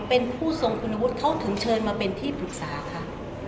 เป็นผู้ทรงคุณวุฒิเขาถึงเชิญมาเป็นที่ปรึกษาค่ะ